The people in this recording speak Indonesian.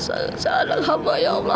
saya anakku ya allah